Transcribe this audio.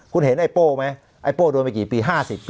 คุณเห็นไอ้โป้ไหมไอ้โป้โดนไปกี่ปี๕๐ปี